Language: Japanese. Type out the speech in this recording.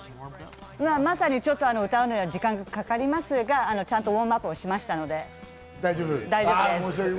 まさにちょっと歌うのは時間かかりますが、ウォームアップしましたので大丈夫です。